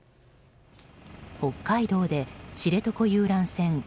北海道で知床遊覧船